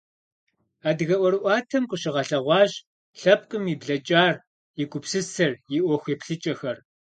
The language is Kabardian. Адыгэ ӀуэрыӀуатэм къыщыгъэлъэгъуащ лъэпкъым и блэкӀар, и гупсысэр, и Ӏуэху еплъыкӀэхэр.